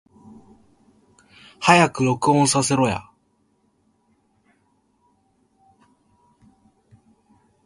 早く録音させろや